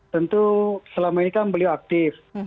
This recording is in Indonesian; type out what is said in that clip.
tentu selama ini kan beliau aktif